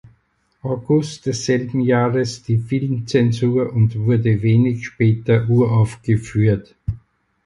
August desselben Jahres die Filmzensur und wurde wenig später uraufgeführt.